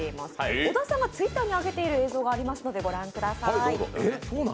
小田さんがＴｗｉｔｔｅｒに上げている映像がありますのでご覧ください。